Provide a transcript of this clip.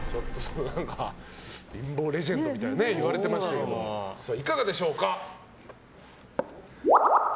貧乏レジェンドみたいに言われてましたけどいかがでしょうか？